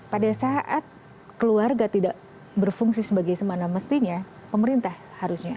pada saat keluarga tidak berfungsi sebagai semana mestinya pemerintah harusnya